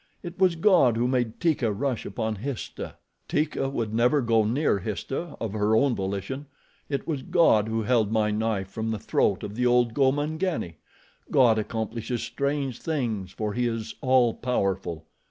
It was God who made Teeka rush upon Histah. Teeka would never go near Histah of her own volition. It was God who held my knife from the throat of the old Gomangani. God accomplishes strange things for he is 'all powerful.'